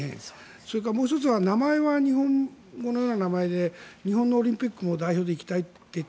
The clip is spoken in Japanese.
それからもう１つは名前は日本語のような名前で日本のオリンピックにも代表で行きたいと言った。